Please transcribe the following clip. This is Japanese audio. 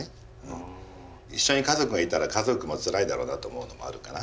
一緒に家族がいたら家族もつらいだろうなと思うのもあるかな。